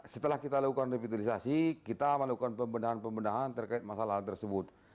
setelah kita lakukan revitalisasi kita melakukan pembenahan pembenahan terkait masalah tersebut